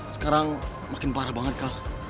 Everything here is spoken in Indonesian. sekarang makin parah banget kah